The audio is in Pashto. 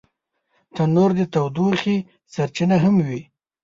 تنور د تودوخې سرچینه هم وي